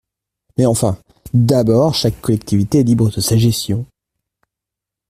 Mais enfin ! D’abord, chaque collectivité est libre de sa gestion.